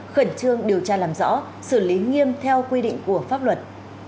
khẩn trương điều tra làm rõ xử lý nghiêm theo quy định của pháp luật